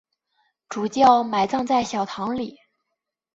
主教埋葬在小堂里。